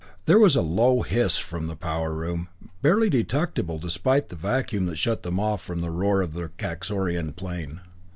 There was a low hiss from the power room, barely detectable despite the vacuum that shut them off from the roar of the Kaxorian plane.